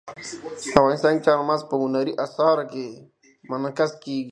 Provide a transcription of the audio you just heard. افغانستان کې چار مغز په هنري اثارو کې منعکس کېږي.